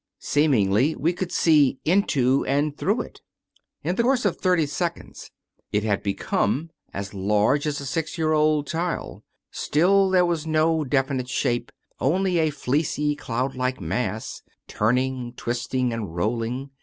Seemingly we could see into and through it In the course of thirty seconds it had become as large as a six year old child ; still there was no definite shape, only a fleecy cloudlike mass, turning, twisting, and rolling.